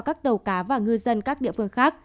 các tàu cá và ngư dân các địa phương khác